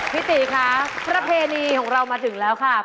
พี่ตีคะประเพณีของเรามาถึงแล้วค่ะ